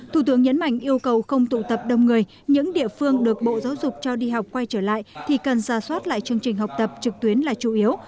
thủ tướng nhấn mạnh yêu cầu không tụ tập đông người những địa phương được bộ giáo dục cho đi học quay trở lại thì cần ra soát lại chương trình học tập trực tuyến là chủ yếu